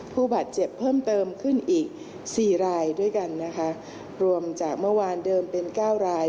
ผู้บาดเจ็บเพิ่มเติมขึ้นอีกสี่รายด้วยกันนะคะรวมจากเมื่อวานเดิมเป็นเก้าราย